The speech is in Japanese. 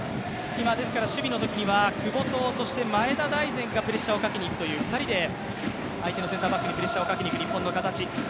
守備のときには久保と前田大然がプレッシャーをかけにいくという２人で相手のセンターバックにプレッシャーをかけにいく日本の形。